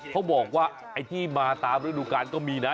เขาบอกว่าไอ้ที่มาตามฤดูกาลก็มีนะ